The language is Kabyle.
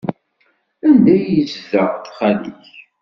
Anda ay yezdeɣ xali-k?